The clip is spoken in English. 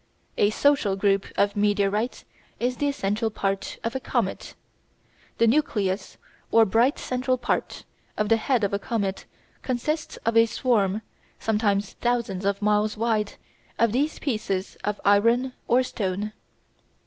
A "social" group of meteorites is the essential part of a comet. The nucleus, or bright central part, of the head of a comet (Fig. 19) consists of a swarm, sometimes thousands of miles wide, of these pieces of iron or stone.